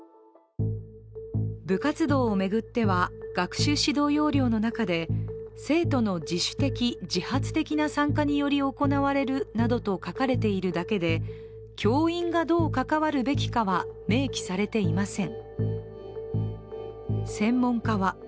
部活動を巡っては、学習指導要領の中で生徒の自主的、自発的な参加により行われるなどと書かれているだけで、教員がどう関わるべきかは明記されていません。